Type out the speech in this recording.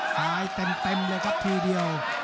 ตายเต็มเลยครับทีเดียว